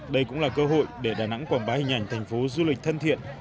đây cũng là cơ hội để đà nẵng quảng bá hình ảnh thành phố du lịch thân thiện